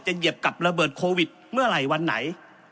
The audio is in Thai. เหยียบกับระเบิดโควิดเมื่อไหร่วันไหน